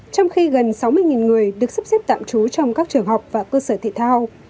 trong khi gần sáu mươi người được sắp xếp tạm trú trong các trường học và cơ sở thể thao